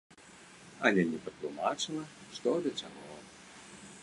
Але не патлумачыла, што да чаго.